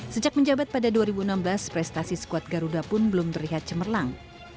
sejak menjabat pada dua ribu enam belas prestasi skuad garuda pun belum terlihat cemerlang